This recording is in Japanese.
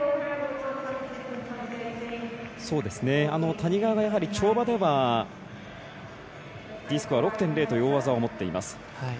谷川がやはり跳馬ではＤスコア６．０という大技を持っています。